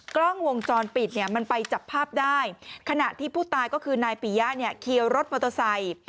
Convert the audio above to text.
กล้องวงจรปิดเนี่ยมันไปจับภาพได้ขณะที่ผู้ตายก็คือนายปียะเนี่ยเขียวรถมอเตอร์ไซค์